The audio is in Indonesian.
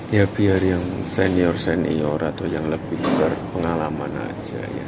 ya biar yang senior senior atau yang lebih berpengalaman aja ya